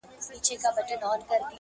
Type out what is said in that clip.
ستا د منزل د مسافرو قدر څه پیژني-